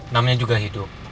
namanya juga hidup